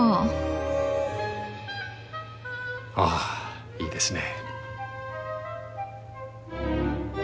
あいいですね。